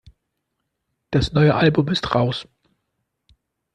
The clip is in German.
Das neue Album ist raus.